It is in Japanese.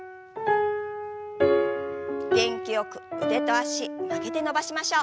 元気よく腕と脚曲げて伸ばしましょう。